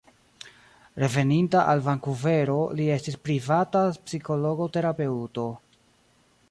Reveninta al Vankuvero li estis privata psikologo-terapeuto.